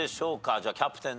じゃあキャプテン。